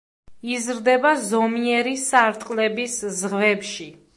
იზრდება ზომიერი სარტყლების ზღვებში.